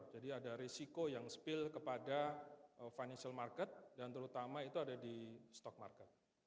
jadi ada risiko yang spill kepada financial market dan terutama itu ada di stock market